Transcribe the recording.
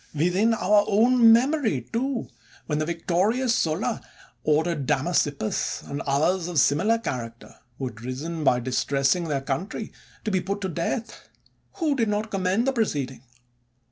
Within our own memory, too, when the victo rious Sulla ordered Damasippus, and others of similar character, who had risen by distressing their country, to be put to deatii, who did not commend the proceeding?